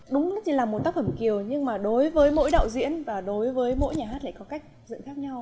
đúng thì là một tác phẩm kiều nhưng mà đối với mỗi đạo diễn và đối với mỗi nhà hát lại có cách dựng khác nhau